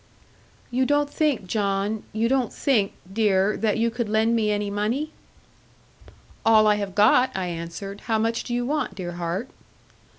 'You don't think, John, you don't think, dear, that you could lend me any money?' 'All I have got,' I answered; 'how much do you want, dear heart?'